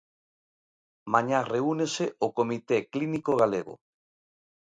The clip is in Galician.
Mañá reúnese o comité clínico galego.